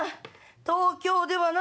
東京ではな